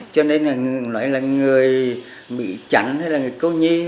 cho nên là người mỹ chẳng hay là người cô nhi